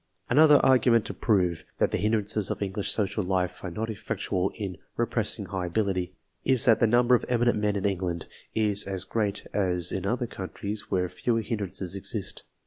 Another argument to prove, that the hindrances of English social life, are not effectual in repressing high ability is, that the number of eminent men in England, is as great as in other countries where fewer hindrances exist.